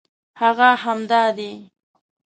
هغه همدا دی.